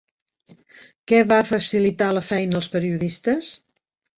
Què va facilitar la feina als periodistes?